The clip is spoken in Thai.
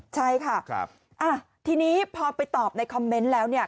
ใช่ค่ะทีนี้พอไปตอบในคอมเมนต์แล้วเนี่ย